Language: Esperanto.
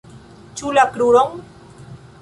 Ĉu la kruron?